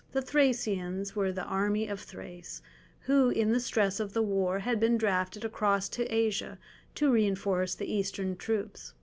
The Thracesians were the "Army of Thrace," who in the stress of the war had been drafted across to Asia to reinforce the Eastern troops.